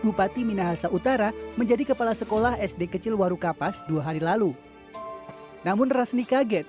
bupati minahasa utara menjadi kepala sekolah sd kecil warukapas dua hari lalu namun rasni kaget